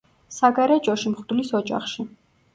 საგარეჯოში, მღვდლის ოჯახში.